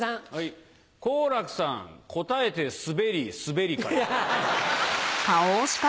好楽さん答えてスベりスベりかな。